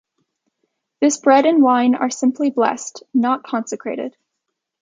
This bread and wine are simply blessed, not consecrated.